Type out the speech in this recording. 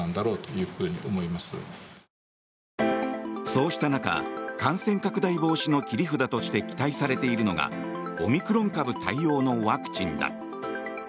そうした中、感染拡大防止の切り札として期待されているのがオミクロン株対応のワクチンだ。